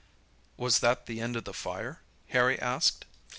'" "Was that the end of the fire?" Harry asked.